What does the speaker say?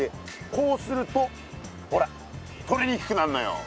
こうするとほらとれにくくなんのよ。